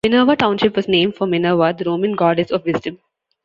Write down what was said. Minerva Township was named for Minerva, the Roman goddess of wisdom.